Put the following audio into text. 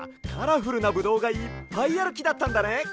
カラフルなブドウがいっぱいあるきだったんだね。